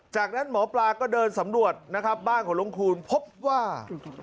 จากนั้นหมอปลาก็เดินสำรวจนะครับบ้านของลุงคูณพบว่า